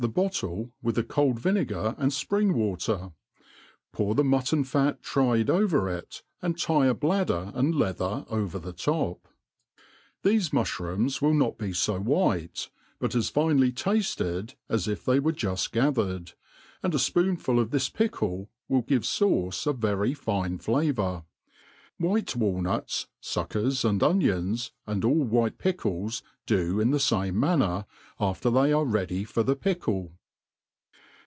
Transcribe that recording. the bottle with the cold vinegar and fpring water, pour the mutton fat 'tried over it, and tie a bladder and leather over the top. Thefe muihrooms Will not be fo white, bat as finely tafted as if they were juft gathered'; and a fpoonful of this pickle will give fauce a very fine flavour. .. White walnut?, fuckers, and onions, and all white pickles, do in the. fame manner, after they are ready for the. pickle.